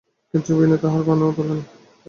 কিন্তু বিনয় তাহা কানেও তোলে নাই।